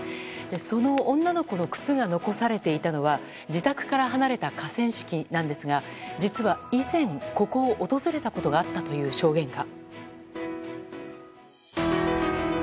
その女の子の靴が残されていたのは自宅から離れた河川敷なんですが実は以前ここを訪れたことがあったという証言が。